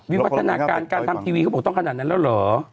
วิวัฒนาการการทำทีวีเขาบอกต้องขนาดนั้นแล้วเหรอ